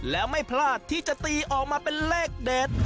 และไม่พลาดที่จะตีออกมาเป็นเลขเด็ด